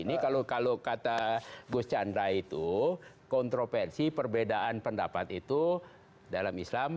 ini kalau kata gus chandra itu kontroversi perbedaan pendapat itu dalam islam